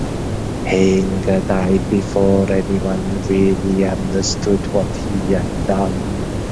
Heegner "died before anyone really understood what he had done".